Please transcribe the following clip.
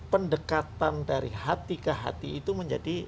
pendekatan dari hati ke hati itu menjadi